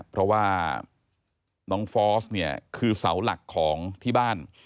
เพราะว่าน้องฟอสเนี่ยคือเสาหลักของที่บ้าน